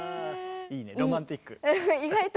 いいねロマンチック。